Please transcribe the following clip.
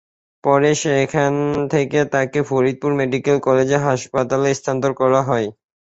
পরে সেখান থেকে তাঁকে ফরিদপুর মেডিকেল কলেজ হাসপাতালে স্থানান্তর করা হয়।